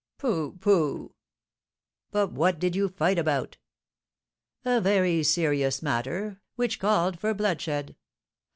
"Pooh! pooh!" "But what did you fight about?" "A very serious matter, which called for bloodshed.